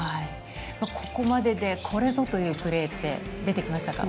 ここまででこれぞというプレーは出てきましたか？